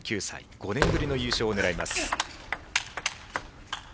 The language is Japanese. ５年ぶりの優勝を狙います。